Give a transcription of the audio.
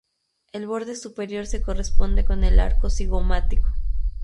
El borde superior se corresponde con el arco cigomático.